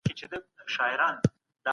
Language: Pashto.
د اسلام مبارک دين د الله تعالی ډالۍ ده.